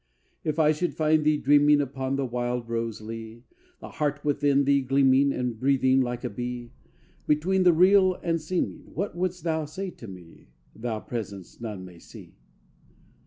IV If I should find thee dreaming Upon the wild rose lea, The heart within thee gleaming And breathing like a bee, Between the real and seeming, What wouldst thou say to me, Thou presence none may see?